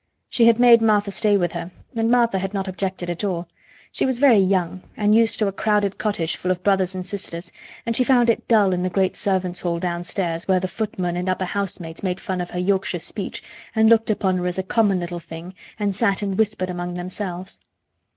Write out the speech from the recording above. She had made Martha stay with her and Martha had not objected at all. She was very young, and used to a crowded cottage full of brothers and sisters, and she found it dull in the great servants' hall downstairs where the footman and upper housemaids made fun of her Yorkshire speech and looked upon her as a common little thing, and sat and whispered among themselves.